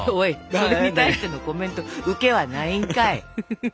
それに対してのコメント受けはないんかい！